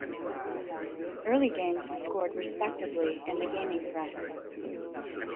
Early games scored respectably in the gaming press.